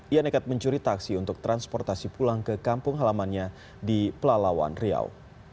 ia nekat mencuri taksi untuk transportasi pulang ke kampung halamannya di pelalawan riau